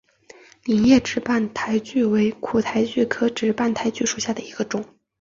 菱叶直瓣苣苔为苦苣苔科直瓣苣苔属下的一个种。